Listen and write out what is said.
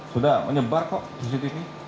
sudah menyebar kok cctv